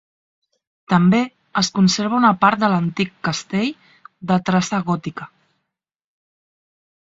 També es conserva una part de l'antic castell de traça gòtica.